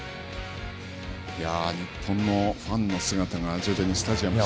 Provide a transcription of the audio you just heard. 日本のファンの姿が徐々にスタジアムに。